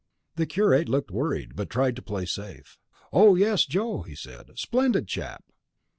The curate looked worried, but tried to play safe. "Oh, yes, Joe!" he said. "Splendid chap."